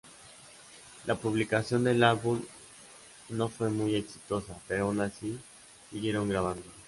La publicación del álbum no fue muy exitosa, pero aun así siguieron grabando.